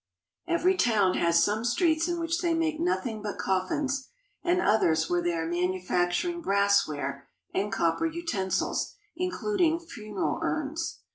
Every town has some streets in which they make nothing but coffins, and others where they are manufacturing brassware and copper utensils, in cluding funeral urns.